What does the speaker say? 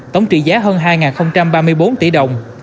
tổng trị giá hơn hai ba mươi bốn